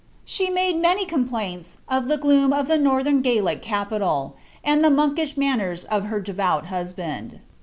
She made many complaints, of the gloora of the northern Gallic capital, and the monkish manners of her devout hoshand.